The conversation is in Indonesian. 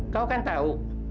kau kan tahu